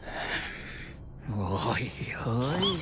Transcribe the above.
おいおい。